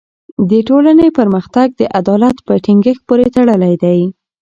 د ټولني پرمختګ د عدالت په ټینګښت پوری تړلی دی.